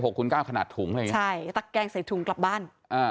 หกคุณเก้าขนาดถุงใช่ตั๊กแกงใส่ถุงกลับบ้านอ่า